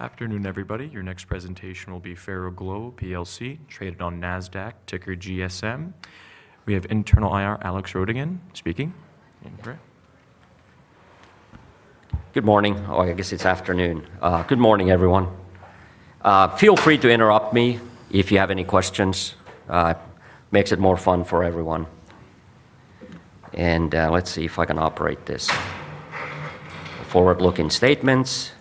Afternoon, everybody. Your next presentation will be Ferroglobe PLC, traded on NASDAQ, ticker GSM. We have Internal IR Alex Rotonen speaking. Good morning. Oh, I guess it's afternoon. Good morning, everyone. Feel free to interrupt me if you have any questions. It makes it more fun for everyone. Let's see if I can operate this. The forward-looking statements.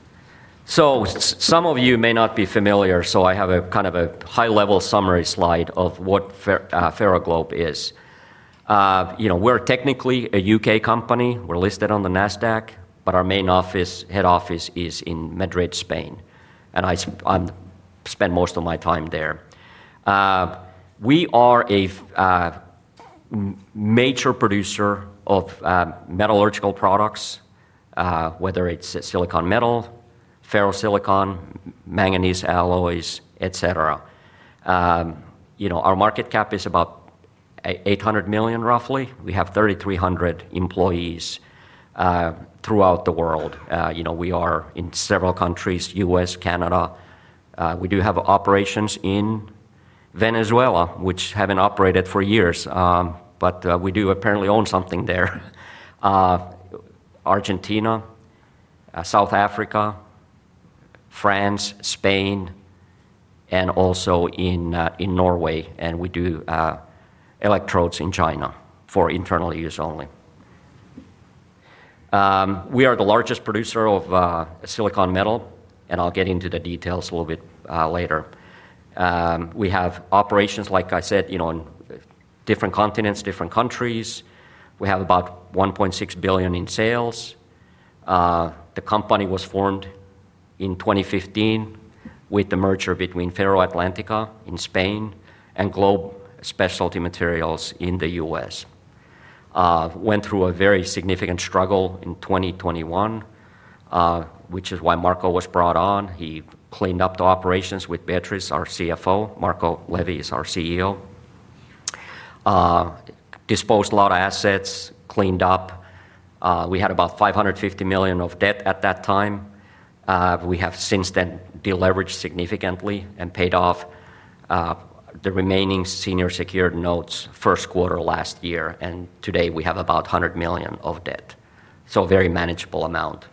Some of you may not be familiar, so I have a kind of a high-level summary slide of what Ferroglobe PLC is. We're technically a U.K. company. We're listed on the NASDAQ, but our main office, head office, is in Madrid, Spain. I spend most of my time there. We are a major producer of metallurgical products, whether it's silicon metal, ferrosilicon, manganese-based alloys, etc. Our market cap is about $800 million, roughly. We have 3,300 employees throughout the world. We are in several countries: U.S., Canada. We do have operations in Venezuela, which hasn't operated for years, but we do apparently own something there. Argentina, South Africa, France, Spain, and also in Norway. We do electrodes in China for internal use only. We are the largest producer of silicon metal, and I'll get into the details a little bit later. We have operations, like I said, in different continents, different countries. We have about $1.6 billion in sales. The company was formed in 2015 with the merger between Ferroatlántica in Spain and Globe Specialty Materials in the U.S. Went through a very significant struggle in 2021, which is why Marco was brought on. He cleaned up the operations with Beatriz, our CFO. Marco Levi is our CEO. Disposed a lot of assets, cleaned up. We had about $550 million of debt at that time. We have since then deleveraged significantly and paid off the remaining senior secured notes first quarter last year. Today we have about $100 million of debt, a very manageable amount.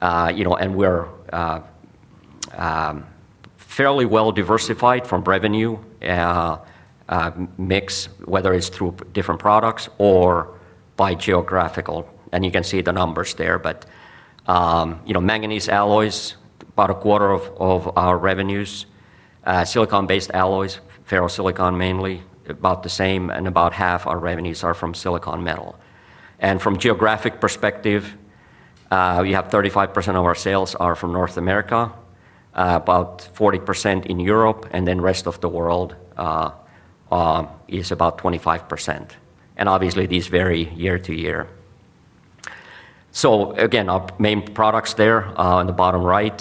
We're fairly well diversified from revenue mix, whether it's through different products or by geographical. You can see the numbers there, but manganese-based alloys, about a quarter of our revenues. Silicon-based alloys, ferrosilicon mainly, about the same, and about half our revenues are from silicon metal. From a geographic perspective, we have 35% of our sales from North America, about 40% in Europe, and then the rest of the world is about 25%. Obviously, these vary year to year. Our main products there on the bottom right: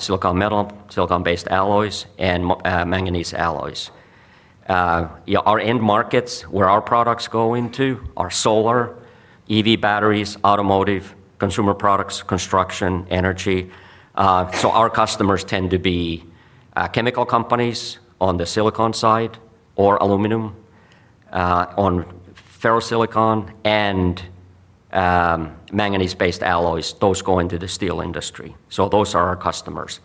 silicon metal, silicon-based alloys, and manganese-based alloys. Our end markets, where our products go into, are solar, EV batteries, automotive, consumer products, construction, energy. Our customers tend to be chemical companies on the silicon side or aluminum on ferrosilicon and manganese-based alloys. Those go into the steel industry. Those are our customers.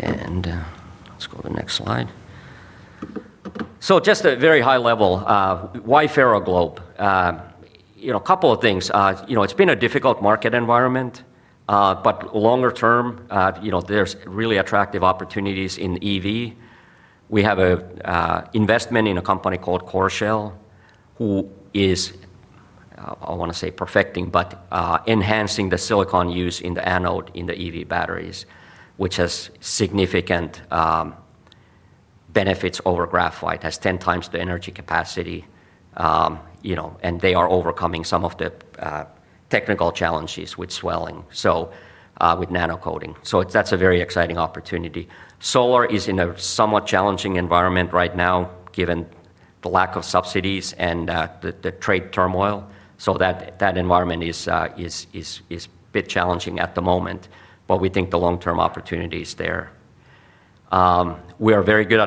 Let's go to the next slide. At a very high level, why Ferroglobe? A couple of things. It's been a difficult market environment, but longer term, there's really attractive opportunities in the EV. We have an investment in a company called CorShell, who is, I want to say, perfecting, but enhancing the silicon use in the anode in the EV batteries, which has significant benefits over graphite. It has 10x the energy capacity, and they are overcoming some of the technical challenges with swelling, with nanocoating. That's a very exciting opportunity. Solar is in a somewhat challenging environment right now, given the lack of subsidies and the trade turmoil. That environment is a bit challenging at the moment, but we think the long-term opportunity is there. We are very good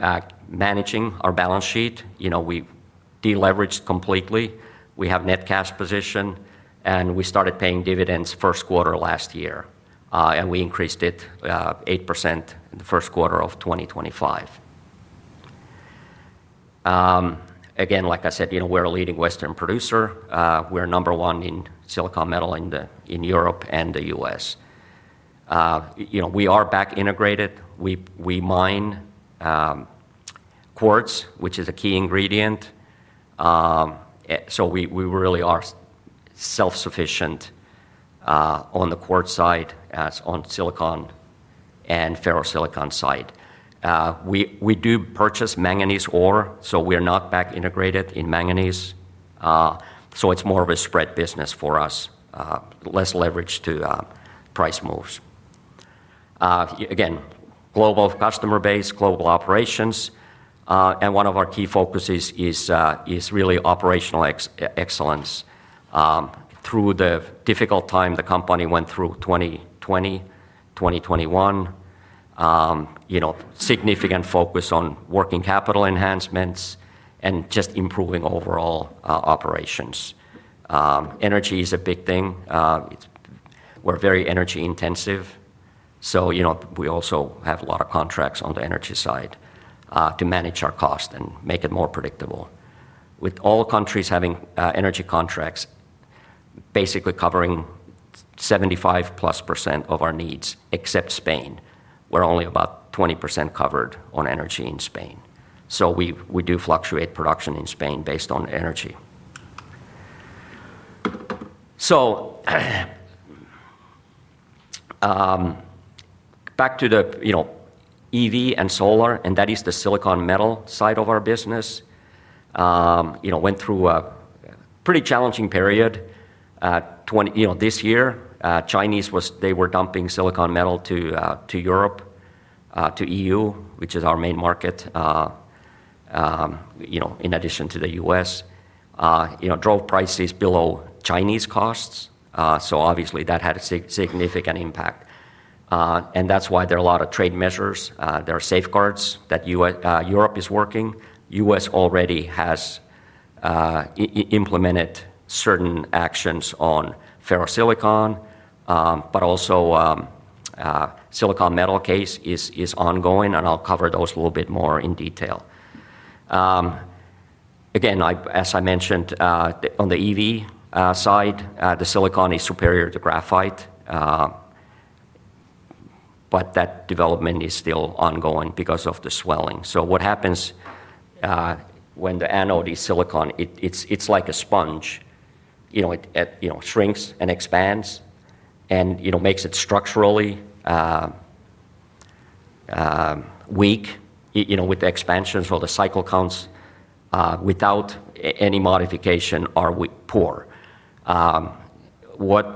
at managing our balance sheet. We deleveraged completely. We have a net cash position, and we started paying dividends first quarter last year. We increased it 8% in the first quarter of 2025. Like I said, we're a leading Western producer. We're number one in silicon metal in Europe and the U.S. We are back integrated. We mine quartz, which is a key ingredient. We really are self-sufficient on the quartz side, as on the silicon and ferrosilicon side. We do purchase manganese ore, so we are not back integrated in manganese. It's more of a spread business for us, less leverage to price moves. Global customer base, global operations. One of our key focuses is really operational excellence. Through the difficult time the company went through 2020, 2021, significant focus on working capital enhancements and just improving overall operations. Energy is a big thing. We're very energy intensive. We also have a lot of contracts on the energy side to manage our cost and make it more predictable. With all countries having energy contracts, basically covering 75%+ of our needs, except Spain. We're only about 20% covered on energy in Spain. We do fluctuate production in Spain based on energy. Back to the EV and solar, and that is the silicon metal side of our business. Went through a pretty challenging period. This year, Chinese, they were dumping silicon metal to Europe, to EU, which is our main market, in addition to the U.S. Drove prices below Chinese costs. Obviously, that had a significant impact. That's why there are a lot of trade measures. There are safeguards that Europe is working. U.S. already has implemented certain actions on ferrosilicon, but also the silicon metal case is ongoing, and I'll cover those a little bit more in detail. Again, as I mentioned, on the EV side, the silicon is superior to graphite, but that development is still ongoing because of the swelling. What happens when the anode is silicon? It's like a sponge. It shrinks and expands and makes it structurally weak. With the expansions or the cycle counts, without any modification, are poor. What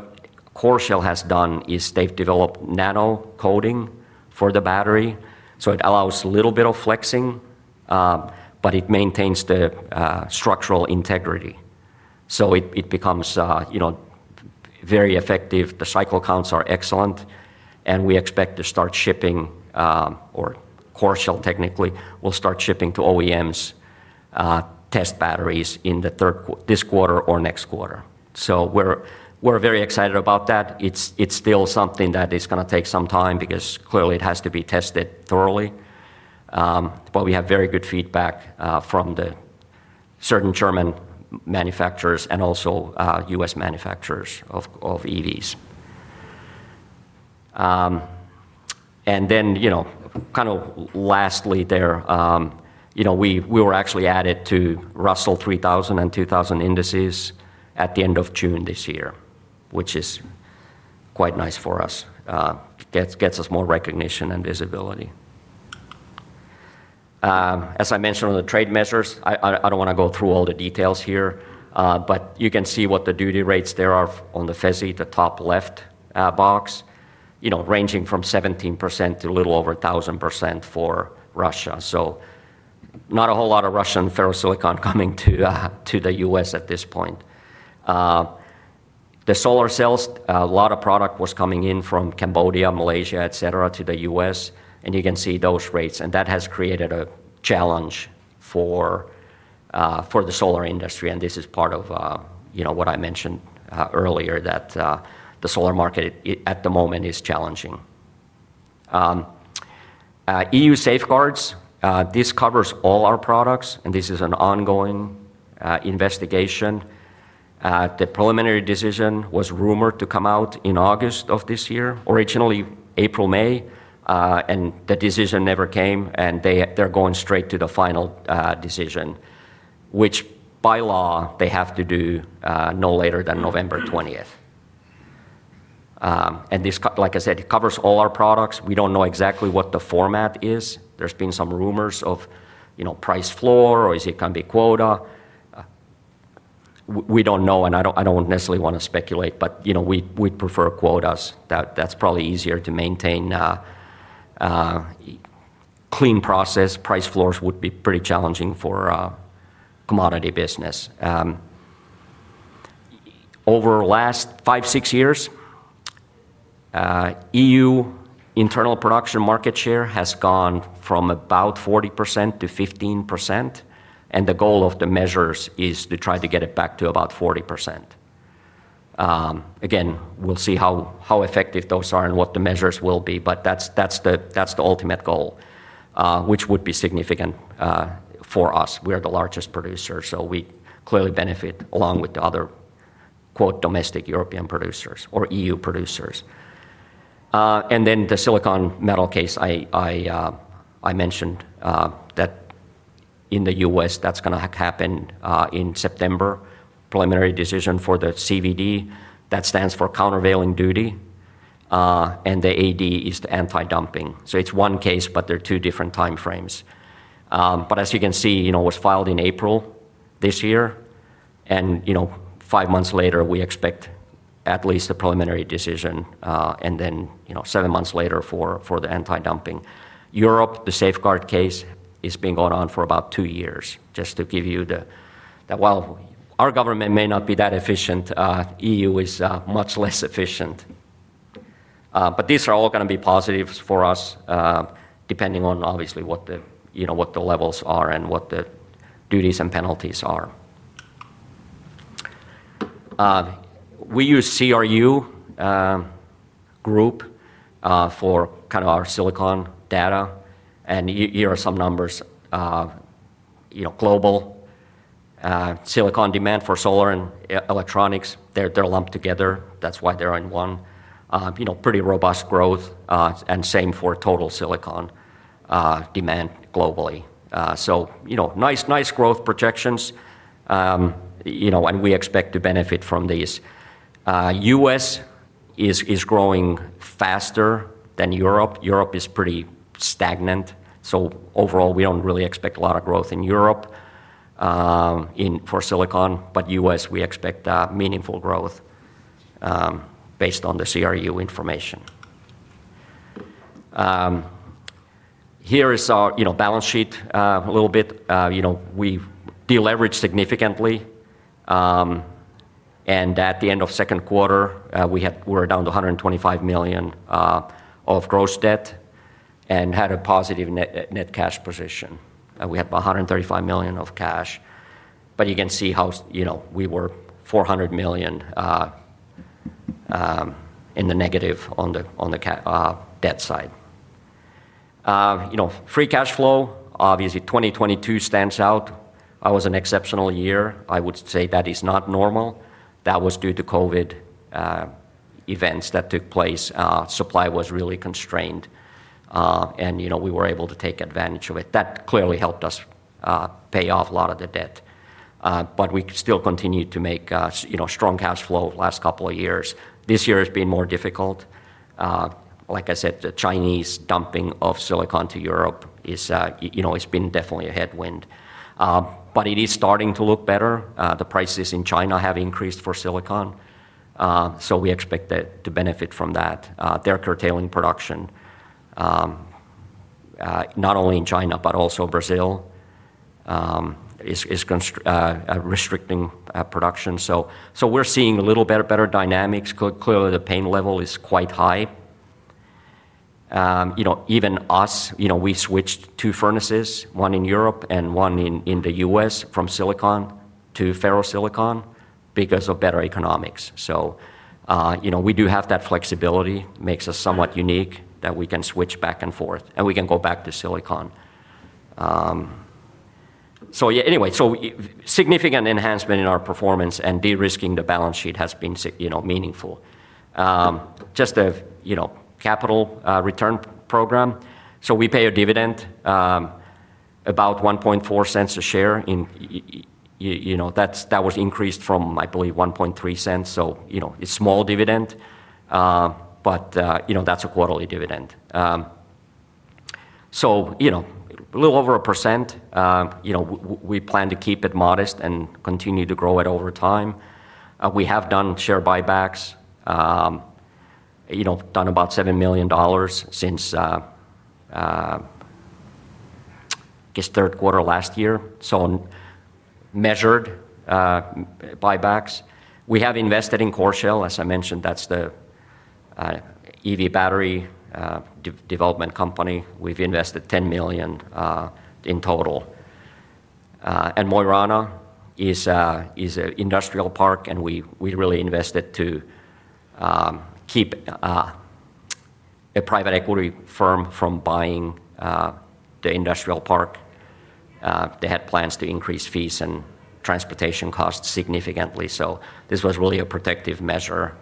Coreshell has done is they've developed nanocoating for the battery. It allows a little bit of flexing, but it maintains the structural integrity. It becomes very effective. The cycle counts are excellent, and we expect to start shipping, or Coreshell technically will start shipping to OEMs test batteries in the third quarter, this quarter, or next quarter. We're very excited about that. It's still something that is going to take some time because clearly it has to be tested thoroughly. We have very good feedback from certain German manufacturers and also U.S. manufacturers of EVs. Lastly, we were actually added to Russell 3000 and 2000 Indices at the end of June this year, which is quite nice for us. It gets us more recognition and visibility. As I mentioned on the trade measures, I don't want to go through all the details here, but you can see what the duty rates are on the FESI, the top left box, ranging from 17% to a little over 1,000% for Russia. Not a whole lot of Russian ferrosilicon coming to the U.S. at this point. The solar cells, a lot of product was coming in from Cambodia, Malaysia, etc., to the U.S., and you can see those rates. That has created a challenge for the solar industry. This is part of what I mentioned earlier, that the solar market at the moment is challenging. EU safeguards, this covers all our products, and this is an ongoing investigation. The preliminary decision was rumored to come out in August of this year, originally April, May, and the decision never came. They're going straight to the final decision, which by law they have to do no later than November 20th. This, like I said, covers all our products. We don't know exactly what the format is. There's been some rumors of, you know, price floor or it can be quota. We don't know, and I don't necessarily want to speculate, but we'd prefer quotas. That's probably easier to maintain a clean process. Price floors would be pretty challenging for commodity business. Over the last five, six years, EU internal production market share has gone from about 40%-15%, and the goal of the measures is to try to get it back to about 40%. Again, we'll see how effective those are and what the measures will be, but that's the ultimate goal, which would be significant for us. We're the largest producer, so we clearly benefit along with the other quote domestic European producers or EU producers. The silicon metal case I mentioned that in the U.S., that's going to happen in September. Preliminary decision for the CVD, that stands for countervailing duty, and the AD is the anti-dumping. It's one case, but they're two different time frames. As you can see, it was filed in April this year, and five months later, we expect at least a preliminary decision, and then seven months later for the anti-dumping. Europe, the safeguard case, has been going on for about two years, just to give you the, our government may not be that efficient. EU is much less efficient. These are all going to be positives for us, depending on, obviously, what the levels are and what the duties and penalties are. We use CRU group for kind of our silicon data, and here are some numbers. Global silicon demand for solar and electronics, they're lumped together. That's why they're in one, pretty robust growth, and same for total silicon demand globally. Nice growth projections, and we expect to benefit from these. U.S. is growing faster than Europe. Europe is pretty stagnant. Overall, we don't really expect a lot of growth in Europe for silicon, but U.S., we expect meaningful growth based on the CRU information. Here is our, you know, balance sheet a little bit. You know, we deleveraged significantly, and at the end of the second quarter, we were down to $125 million of gross debt and had a positive net cash position. We had about $135 million of cash, but you can see how we were $400 million in the negative on the debt side. Free cash flow, obviously, 2022 stands out. That was an exceptional year. I would say that is not normal. That was due to COVID events that took place. Supply was really constrained, and we were able to take advantage of it. That clearly helped us pay off a lot of the debt, but we still continued to make strong cash flow the last couple of years. This year has been more difficult. Like I said, the Chinese dumping of silicon to Europe is definitely a headwind, but it is starting to look better. The prices in China have increased for silicon, so we expect to benefit from that. They're curtailing production, not only in China, but also Brazil is restricting production. We are seeing a little better dynamics. Clearly, the pain level is quite high. Even us, we switched two furnaces, one in Europe and one in the U.S., from silicon to ferrosilicon because of better economics. We do have that flexibility. It makes us somewhat unique that we can switch back and forth, and we can go back to silicon. Significant enhancement in our performance and de-risking the balance sheet has been meaningful. Just a capital return program. We pay a dividend about $0.014 a share. That was increased from, I believe, $0.013. It is a small dividend, but that's a quarterly dividend. A little over 1%. We plan to keep it modest and continue to grow it over time. We have done share buybacks. Done about $7 million since, I guess, third quarter last year. Measured buybacks. We have invested in Coreshell. As I mentioned, that's the EV battery development company. We've invested $10 million in total. Mo i Rana is an industrial park, and we really invested to keep a private equity firm from buying the industrial park. They had plans to increase fees and transportation costs significantly. This was really a protective measure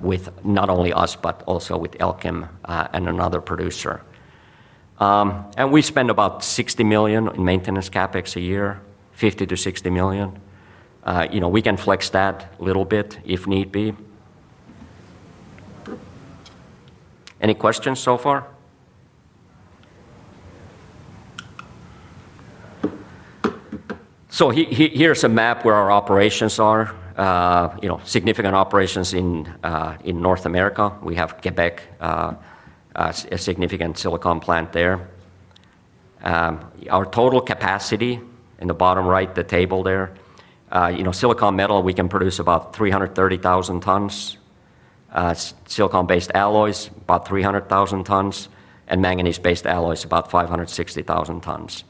with not only us, but also with Elkem and another producer. We spend about $60 million in maintenance CapEx a year, $50-$60 million. You know, we can flex that a little bit if need be. Any questions so far? Here's a map where our operations are. Significant operations in North America. We have Quebec, a significant silicon plant there. Our total capacity is in the bottom right, the table there. Silicon metal, we can produce about 330,000 tons. Silicon-based alloys, about 300,000 tons. Manganese-based alloys, about 560,000 tons.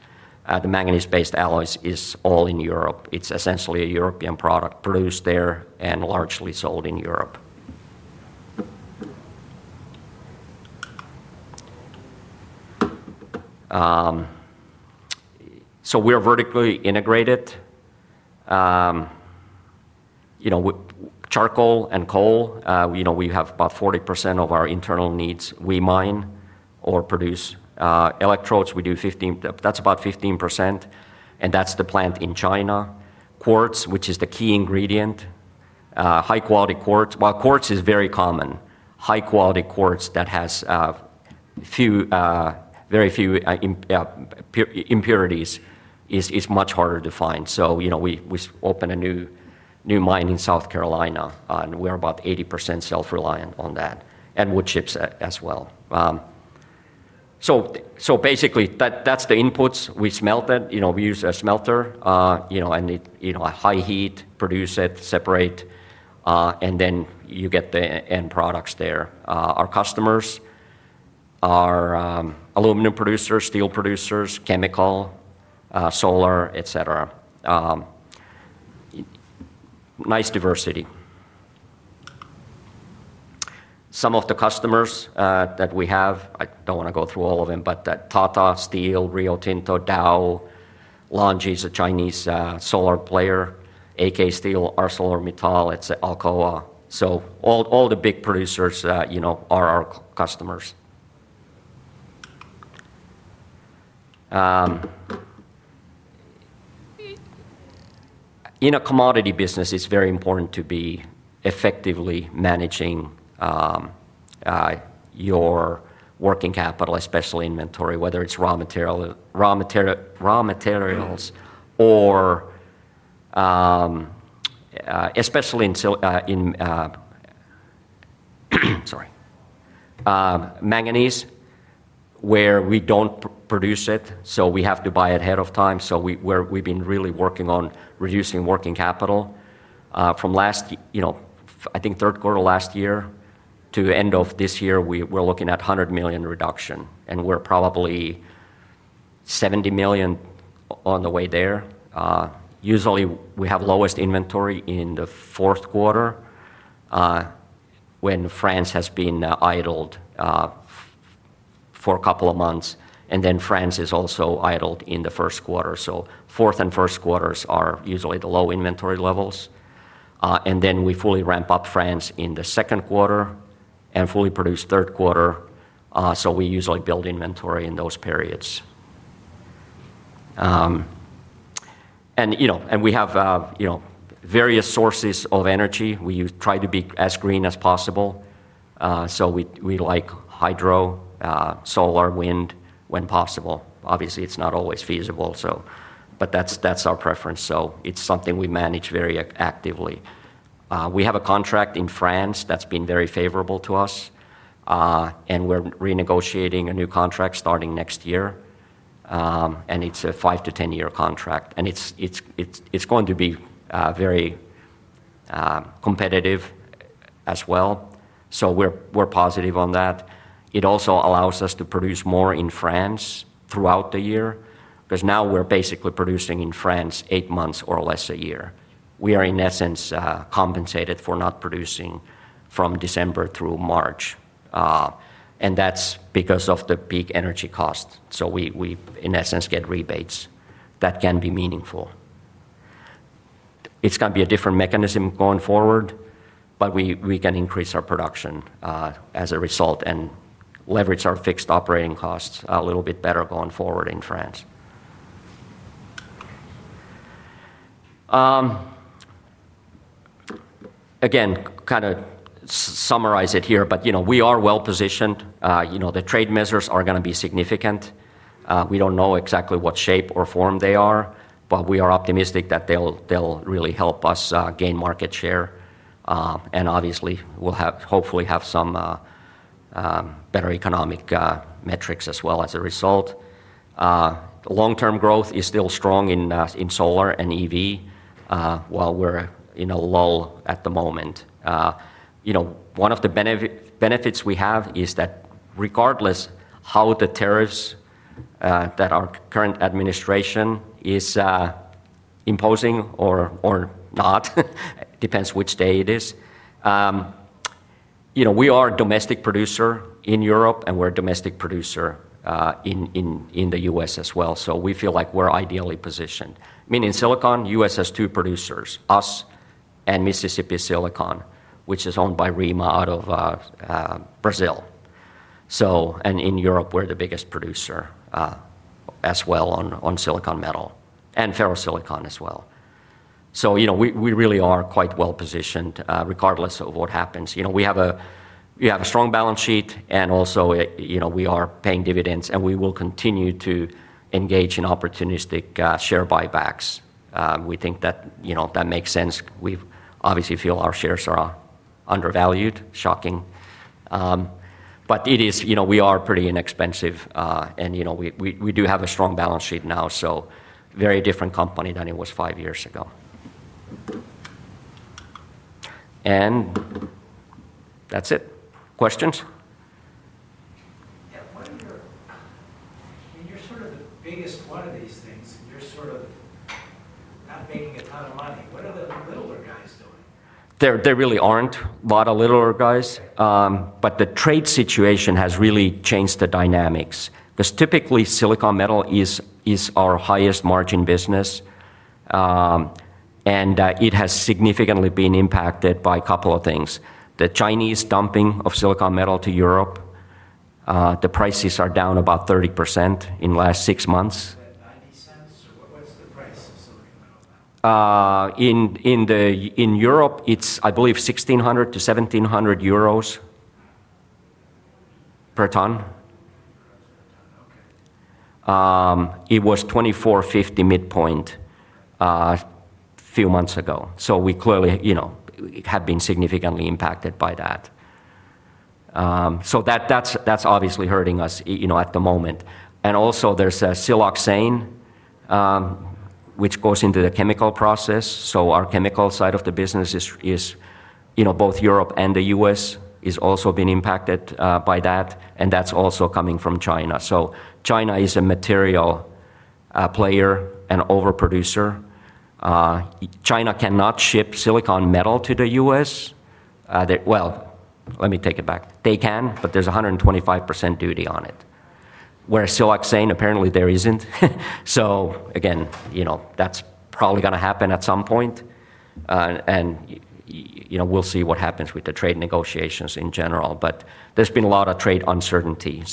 The manganese-based alloys are all in Europe. It's essentially a European product produced there and largely sold in Europe. We're vertically integrated. Charcoal and coal, we have about 40% of our internal needs. We mine or produce electrodes. We do 15%, that's about 15%. That's the plant in China. Quartz, which is the key ingredient. High-quality quartz. Quartz is very common. High-quality quartz that has very few impurities is much harder to find. We opened a new mine in South Carolina, and we're about 80% self-reliant on that. Wood chips as well. Basically, that's the inputs. We smelt it. We use a smelter, and at high heat, produce it, separate, and then you get the end products there. Our customers are aluminum producers, steel producers, chemical, solar, etc. Nice diversity. Some of the customers that we have, I don't want to go through all of them, but Tata Steel, Rio Tinto, Dow, LONGi, a Chinese solar player, AK Steel, ArcelorMittal, Alcoa. All the big producers are our customers. In a commodity business, it's very important to be effectively managing your working capital, especially inventory, whether it's raw materials or especially in manganese, where we don't produce it. We have to buy it ahead of time. We've been really working on reducing working capital. From last, I think third quarter last year to end of this year, we're looking at $100 million reduction, and we're probably $70 million on the way there. Usually, we have lowest inventory in the fourth quarter when France has been idled for a couple of months, and then France is also idled in the first quarter. Fourth and first quarters are usually the low inventory levels, and then we fully ramp up France in the second quarter and fully produce third quarter. We usually build inventory in those periods. We have various sources of energy. We try to be as green as possible. We like hydro, solar, wind when possible. Obviously, it's not always feasible, but that's our preference. It's something we manage very actively. We have a contract in France that's been very favorable to us, and we're renegotiating a new contract starting next year. It's a five to ten-year contract, and it's going to be very competitive as well. We're positive on that. It also allows us to produce more in France throughout the year because now we're basically producing in France eight months or less a year. We are, in essence, compensated for not producing from December through March, and that's because of the peak energy cost. We, in essence, get rebates that can be meaningful. It's going to be a different mechanism going forward, but we can increase our production as a result and leverage our fixed operating costs a little bit better going forward in France. To summarize, we are well positioned. The trade measures are going to be significant. We don't know exactly what shape or form they are, but we are optimistic that they'll really help us gain market share, and hopefully have some better economic metrics as well as a result. Long-term growth is still strong in solar and EV, while we're in a lull at the moment. One of the benefits we have is that regardless of how the tariffs that our current administration is imposing or not, it depends which day it is, we are a domestic producer in Europe, and we're a domestic producer in the U.S. as well. We feel like we're ideally positioned. Meaning silicon, U.S. has two producers, us and Mississippi Silicon, which is owned by RIMA out of Brazil. In Europe, we're the biggest producer as well on silicon metal and ferrosilicon as well. We really are quite well positioned regardless of what happens. We have a strong balance sheet, and also, we are paying dividends, and we will continue to engage in opportunistic share buybacks. We think that makes sense. We obviously feel our shares are undervalued, shocking, but it is, we are pretty inexpensive, and we do have a strong balance sheet now. Very different company than it was five years ago. That's it. Questions? Yeah, you're sort of the biggest one of these things, and you're sort of. There really aren't a lot of littler guys, but the trade situation has really changed the dynamics because typically silicon metal is our highest margin business, and it has significantly been impacted by a couple of things. The Chinese dumping of silicon metal to Europe, the prices are down about 30% in the last six months. In Europe, it's, I believe, 1,600-1,700 euros per ton. It was $24.50 midpoint a few months ago. We clearly, you know, have been significantly impacted by that. That's obviously hurting us, you know, at the moment. Also, there's a siloxane, which goes into the chemical process. Our chemical side of the business is, you know, both Europe and the U.S. have also been impacted by that, and that's also coming from China. China is a material player and overproducer. China cannot ship silicon metal to the U.S. They can, but there's a 125% duty on it, whereas siloxane, apparently, there isn't. Again, you know, that's probably going to happen at some point, and you know, we'll see what happens with the trade negotiations in general. There has been a lot of trade uncertainty.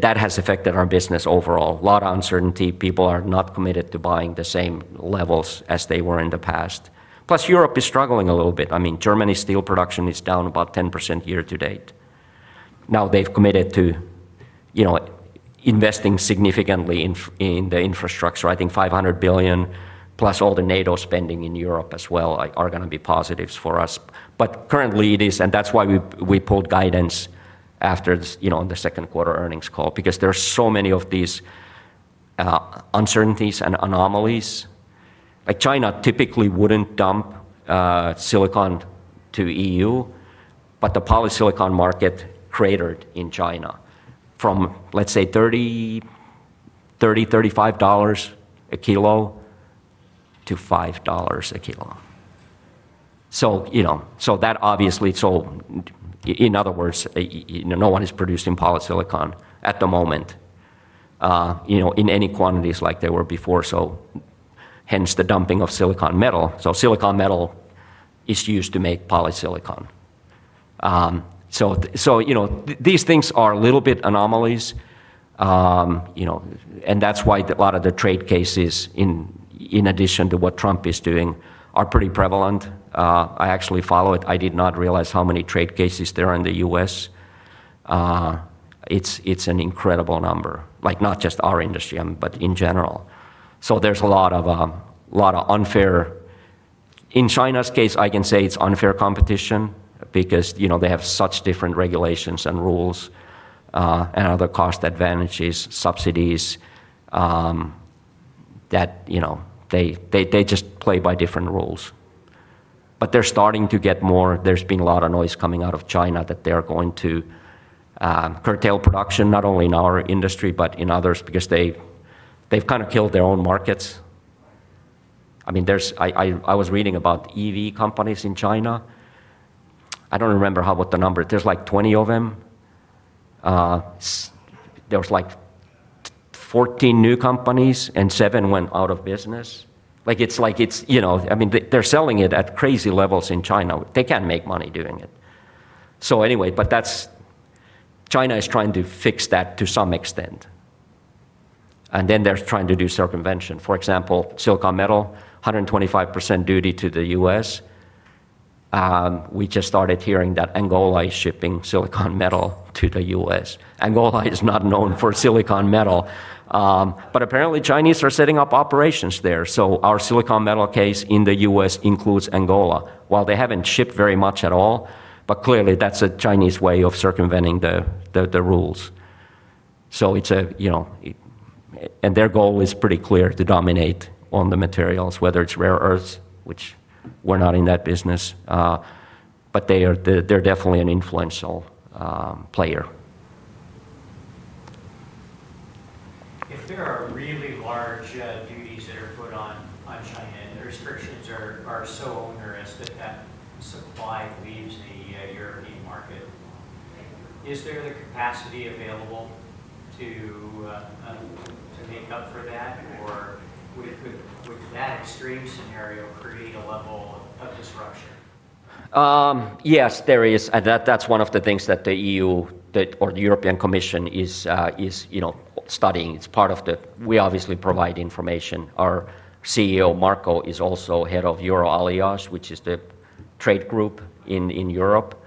That has affected our business overall. A lot of uncertainty. People are not committed to buying the same levels as they were in the past. Plus, Europe is struggling a little bit. Germany's steel production is down about 10% year to date. Now, they've committed to, you know, investing significantly in the infrastructure. I think $500 billion plus all the NATO spending in Europe as well are going to be positives for us. Currently, it is, and that's why we pulled guidance after, you know, the second quarter earnings call, because there are so many of these uncertainties and anomalies. China typically wouldn't dump silicon to EU, but the polysilicon market cratered in China from, let's say, $30-$35/k-$5/k. That obviously, so in other words, you know, no one is producing polysilicon at the moment, you know, in any quantities like they were before. Hence the dumping of silicon metal. Silicon metal is used to make polysilicon. These things are a little bit anomalies, you know, and that's why a lot of the trade cases, in addition to what Trump is doing, are pretty prevalent. I actually follow it. I did not realize how many trade cases there are in the U.S. It's an incredible number, like not just our industry, but in general. There is a lot of unfair, in China's case, I can say it's unfair competition because they have such different regulations and rules and other cost advantages, subsidies that they just play by different rules. They are starting to get more. There has been a lot of noise coming out of China that they are going to curtail production, not only in our industry, but in others, because they have kind of killed their own markets. I was reading about EV companies in China. I don't remember what the number is. There are like 20 of them. There are like 14 new companies, and seven went out of business. It's like, you know, they are selling it at crazy levels in China. They can't make money doing it. China is trying to fix that to some extent. They are trying to do circumvention. For example, silicon metal, 125% duty to the U.S. We just started hearing that Angola is shipping silicon metal to the U.S. Angola is not known for silicon metal, but apparently, Chinese are setting up operations there. Our silicon metal case in the U.S. includes Angola. They haven't shipped very much at all, but clearly, that's a Chinese way of circumventing the rules. Their goal is pretty clear to dominate on the materials, whether it's rare earths, which we are not in that business, but they are definitely an influential player. If there are really large duties that are put on China and the restrictions are so onerous that that simplifies the European market, is there the capacity available to make up for that, or would that extreme scenario create a level of disruption? Yes, there is. That's one of the things that the EU or the European Commission is studying. It's part of the, we obviously provide information. Our CEO, Marco, is also head of EFTA, which is the trade group in Europe.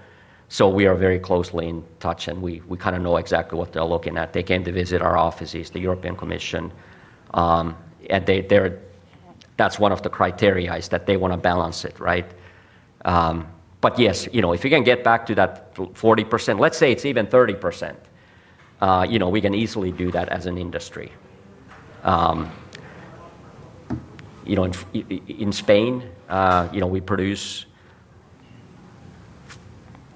We are very closely in touch, and we kind of know exactly what they're looking at. They came to visit our offices, the European Commission, and that's one of the criteria is that they want to balance it, right? Yes, if you can get back to that 40%, let's say it's even 30%, we can easily do that as an industry. In Spain, we produce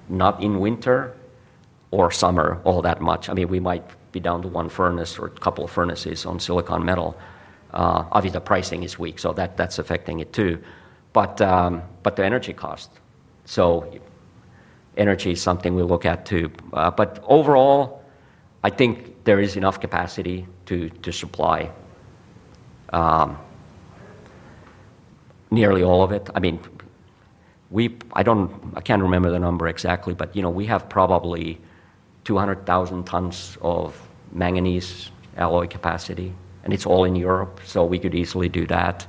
not in winter or summer all that much. I mean, we might be down to one furnace or a couple of furnaces on silicon metal. Obviously, the pricing is weak, so that's affecting it too. The energy cost, so energy is something we look at too. Overall, I think there is enough capacity to supply nearly all of it. I can't remember the number exactly, but we have probably 200,000 tons of manganese alloy capacity, and it's all in Europe, so we could easily do that.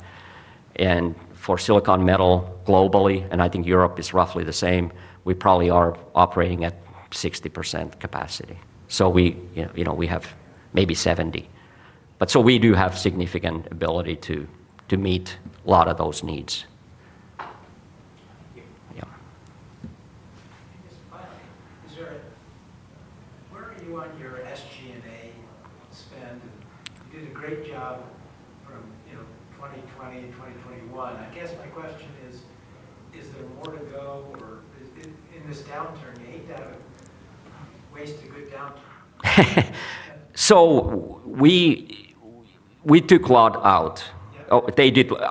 For silicon metal globally, and I think Europe is roughly the same, we probably are operating at 60% capacity. We have maybe 70%. We do have significant ability to meet a lot of those needs. Where are you on your SG&A spend? You did a great job from 2020 and 2021. I guess my question is, is there more to go or is it in this downturn? You ate out of it. We took a lot out.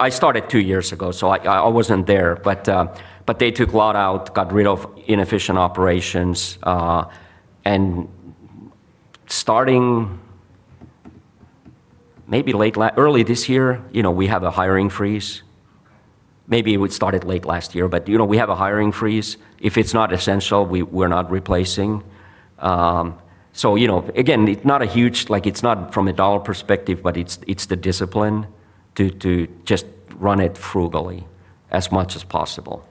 I started two years ago, so I wasn't there, but they took a lot out, got rid of inefficient operations. Starting maybe early this year, we have a hiring freeze. Maybe it started late last year, but we have a hiring freeze. If it's not essential, we're not replacing. It's not a huge, like it's not from a dollar perspective, but it's the discipline to just run it frugally as much as possible.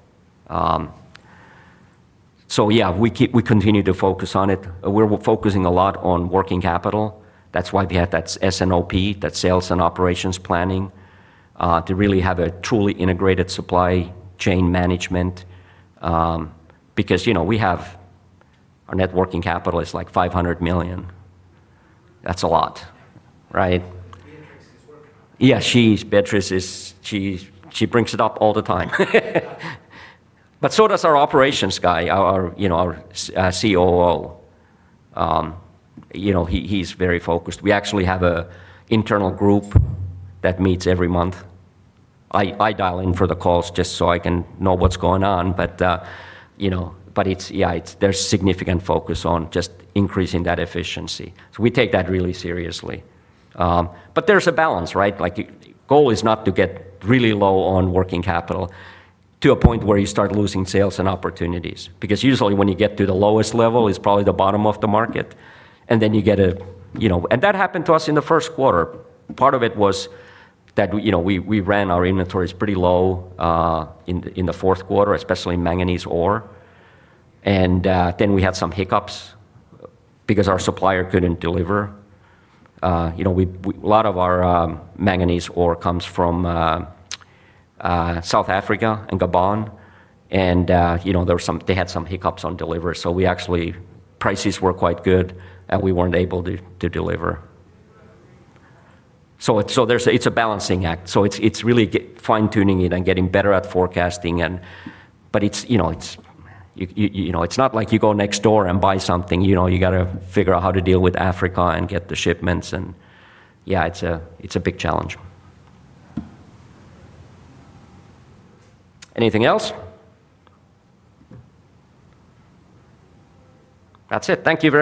We continue to focus on it. We're focusing a lot on working capital. That's why we have that S&OP, that sales and operations planning, to really have a truly integrated supply chain management because we have our net working capital is like $500 million. That's a lot, right? Beatriz brings it up all the time. So does our operations guy, our COO. He's very focused. We actually have an internal group that meets every month. I dial in for the calls just so I can know what's going on. There's significant focus on just increasing that efficiency. We take that really seriously. There's a balance, right? The goal is not to get really low on working capital to a point where you start losing sales and opportunities because usually when you get to the lowest level is probably the bottom of the market. That happened to us in the first quarter. Part of it was that we ran our inventories pretty low in the fourth quarter, especially in manganese ore. We had some hiccups because our supplier couldn't deliver. A lot of our manganese ore comes from South Africa and Gabon. They had some hiccups on delivery. Prices were quite good and we weren't able to deliver. It's a balancing act. It's really fine-tuning it and getting better at forecasting. It's not like you go next door and buy something. You have to figure out how to deal with Africa and get the shipments. It's a big challenge. Anything else? That's it. Thank you.